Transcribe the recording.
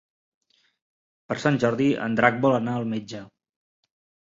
Per Sant Jordi en Drac vol anar al metge.